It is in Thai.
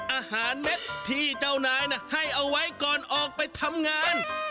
อาหารเม็ดที่เจ้านายให้เอาไว้ก่อนออกไปทำงาน